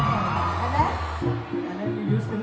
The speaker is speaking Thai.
พร้อมสนาม๑๒๓